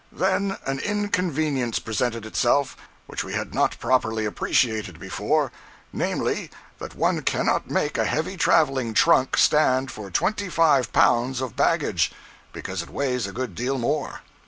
Then an inconvenience presented itself which we had not properly appreciated before, namely, that one cannot make a heavy traveling trunk stand for twenty five pounds of baggage—because it weighs a good deal more.